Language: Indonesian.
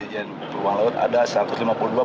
di jn perluan laut ada satu ratus lima puluh dua perizinan